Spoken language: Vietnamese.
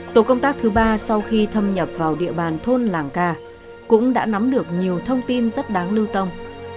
tổ công tác thứ ba sau khi thâm nhập vào địa bàn thôn làng ca cũng đã nắm được nhiều thông tin rất đáng lưu tâm